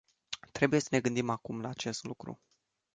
Trebuie să ne gândim acum la acest lucru.